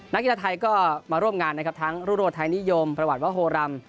นักกีฬาไทยก็มาร่วมงานทั้งรูปโรธไทยนิยมประวัติว่าโฮลัม